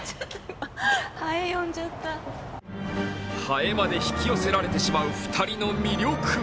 はえまで引き寄せられてしまう２人の魅力。